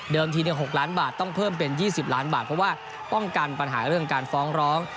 ที๖ล้านบาทต้องเพิ่มเป็น๒๐ล้านบาทเพราะว่าป้องกันปัญหาเรื่องการฟ้องร้อง